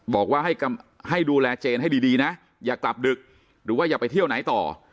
บอกว่าให้ดูแลเจนให้ดีนะอย่ากลับดึกหรือว่าอย่าไปเที่ยวไหนต่อ